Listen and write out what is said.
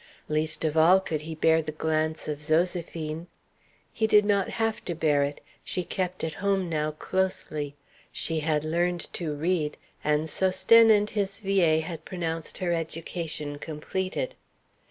Least of all could he bear the glance of Zoséphine. He did not have to bear it. She kept at home now closely. She had learned to read, and Sosthène and his vieille had pronounced her education completed.